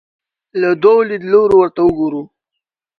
له دوو لیدلوریو ورته وګورو